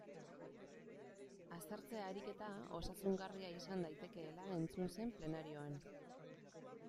Aztertzea ariketa osasungarria izan daitekeela entzun zen plenarioan.